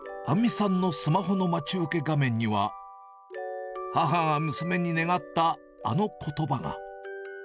杏実さんのスマホの待ち受け画面には、母が娘に願ったあのことばが。